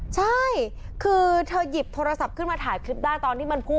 ใช่คือเธอหยิบโทรศัพท์ขึ้นมาถ่ายคลิปได้ตอนที่มันพุ่ง